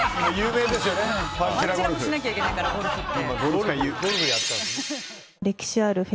パンチラもしなきゃいけないからゴルフって。